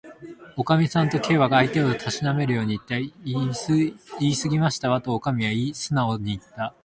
「おかみさん」と、Ｋ は相手をたしなめるようにいった。「いいすぎましたわ」と、おかみはすなおにいった。